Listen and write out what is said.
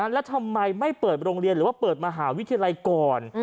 แล้วทำไมไม่เปิดโรงเรียนหรือว่าเปิดมหาวิทยาลัยก่อน